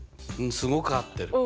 すごく合ってる。